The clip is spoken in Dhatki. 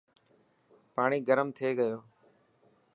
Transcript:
پاڻي گرم ٿي گيو.